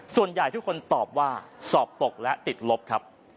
ส่วนใหญ่ทุกคนตอบว่าสอบตกและติดลบครับ